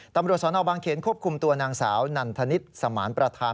ตำรวจสนบางเขนควบคุมตัวนางสาวนันทนิษฐ์สมานประธาน